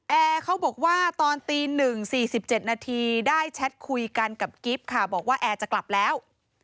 แอร์เขาบอกว่าตอนตี๑๔๗นาทีได้แชทคุยกันกับกิ๊บค่ะบอกว่าแอร์จะกลับแล้ว